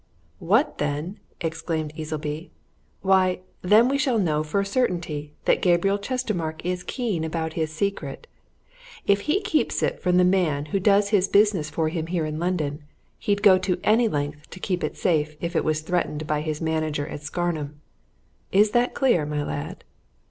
"What, then?" exclaimed Easleby. "Why, then we shall know, for a certainty, that Gabriel Chestermarke is keen about his secret! If he keeps it from the man who does his business for him here in London, he'd go to any length to keep it safe if it was threatened by his manager at Scarnham. Is that clear, my lad?"